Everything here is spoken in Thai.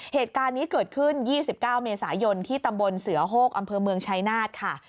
เหตุการณ์นี้เกิดขึ้น๒๙เมษายนที่ตำบลเสือโฮกอำเภอเมืองชายนาฏค่ะ